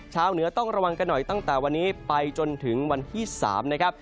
เหนือต้องระวังกันหน่อยตั้งแต่วันนี้ไปจนถึงวันที่๓นะครับ